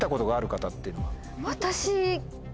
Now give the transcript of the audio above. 私。